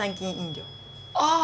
ああ！